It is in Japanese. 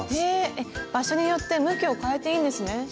へえ場所によって向きを変えていいんですね。